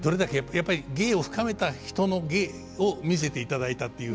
やっぱり芸を深めた人の芸を見せていただいたっていう。